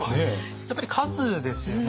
やっぱり数ですよね。